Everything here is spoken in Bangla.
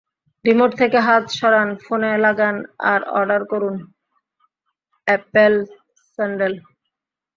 রিমোট থেকে হাত সরান, ফোনে লাগান আর অর্ডার করুন, অ্যাপেল স্যান্ডেল।